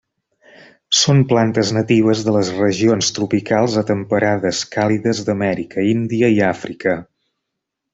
Són plantes natives de les regions tropicals a temperades càlides d'Amèrica, Índia i Àfrica.